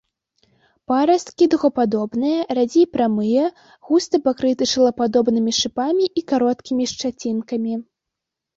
Парасткі дугападобныя, радзей прамыя, густа пакрыты шылападобнымі шыпамі і кароткімі шчацінкамі.